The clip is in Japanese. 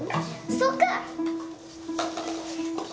そうか！